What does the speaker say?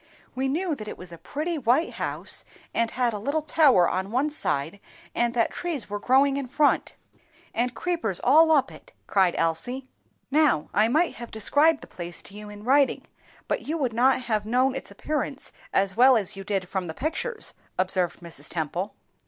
"We knew that it was a pretty white house, and had a little tower on one side, and that trees were growing in front, and creepers all up it!" cried Elsie. "Now, I might have described the place to you in writing, but you would not have known its appearance as well as you did from the pictures," observed Mrs. Temple.